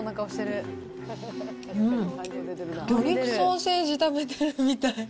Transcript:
魚肉ソーセージ食べてるみたい。